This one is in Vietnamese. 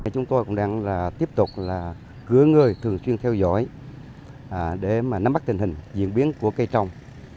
chúng tôi cũng đang tiếp tục gửi người thường xuyên theo dõi để nắm bắt tình hình diễn biến của cây trồng